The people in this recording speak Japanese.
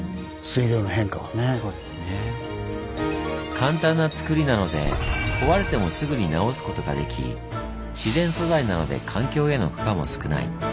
簡単なつくりなので壊れてもすぐに直すことができ自然素材なので環境への負荷も少ない。